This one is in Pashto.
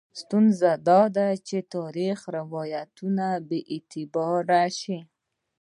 ستونزه دا ده چې تاریخي روایتونه بې اعتباره شي.